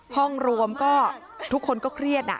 ห้องรวมก็ทุกคนก็เครียด